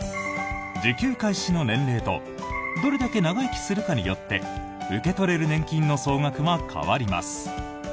受給開始の年齢とどれだけ長生きするかによって受け取れる年金の総額は変わります。